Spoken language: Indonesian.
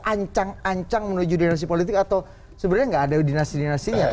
ancang ancang menuju dinasti politik atau sebenarnya nggak ada dinasti dinastinya